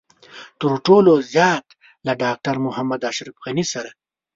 تر ټولو زيات له ډاکټر محمد اشرف غني سره.